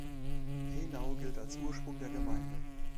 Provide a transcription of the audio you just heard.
Henau gilt als Ursprung der Gemeinde.